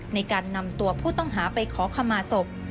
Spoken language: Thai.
ในการนำตัวผู้ต้องหาไปขอขมาศพ